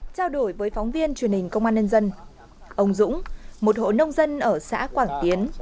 trao đổi với phóng viên truyền hình công an nhân dân ông dũng một hộ nông dân ở xã quảng tiến